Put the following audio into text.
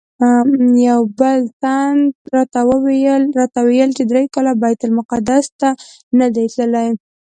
یو بل تن راته ویل چې درې کاله بیت المقدس ته نه دی تللی.